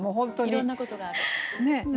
いろんなことがある。